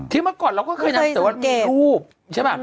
ที่เมื่อก่อนเราก็เคยนับแต่ว่ามีรูป